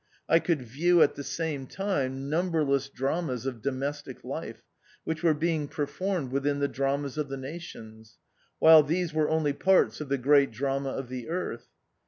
I could view, at the same time, numberless dramas of domestic life, which were being performed within the dramas of the nations ; while these were only parts of the great drama of the Earth.